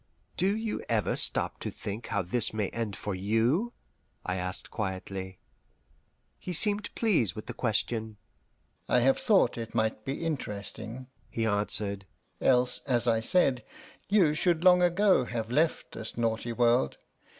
"Do you ever stop to think of how this may end for you?" I asked quietly. He seemed pleased with the question. "I have thought it might be interesting," he answered; "else, as I said, you should long ago have left this naughty world.